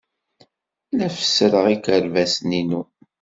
La fessreɣ ikerbasen-inu.